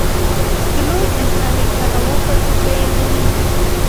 د لوی انساني تنوع په توګه یې مني.